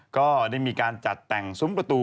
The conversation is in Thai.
ก็ได้มีการจัดแต่งซุ้มประตู